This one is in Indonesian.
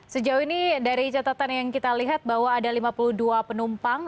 sejauh ini dari catatan yang kita lihat bahwa ada lima puluh dua penumpang